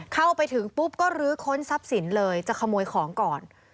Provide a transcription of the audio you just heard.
เข้าไปถึงปุ๊บก็ลื้อค้นทรัพย์สินเลยจะขโมยของก่อน